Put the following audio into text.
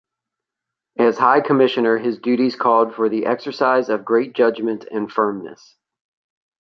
As High Commissioner his duties called for the exercise of great judgment and firmness.